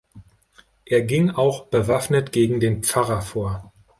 Er ging auch bewaffnet gegen den Pfarrer vor.